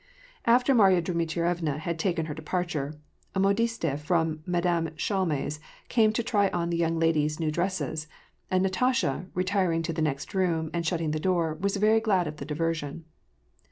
After Marya Dmitrievna had taken her departure, a modiste from Madame Chalm^'s came to try on the young ladies' new dresses, and Natasha, retiring to the next room and shutting the door, was very glad of the diversion.